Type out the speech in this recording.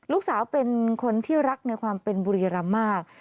ลูกสาวเป็นคนที่รักในความเป็นบุรีรำมาก